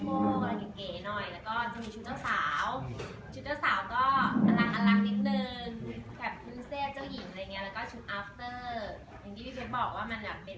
ก็อันนี้เป็นชุดแถลงขาวจะเป็นขึ้นเรียบโกโกะสายอย่างเก๋